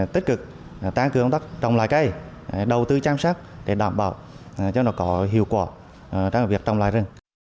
tích cực tán cưỡng đất trồng lại cây đầu tư chăm sác để đảm bảo cho nó có hiệu quả trong việc trồng lại rừng